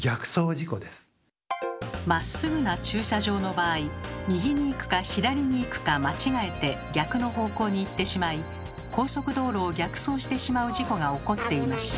それは右に行くか左に行くか間違えて逆の方向に行ってしまい高速道路を逆走してしまう事故が起こっていました。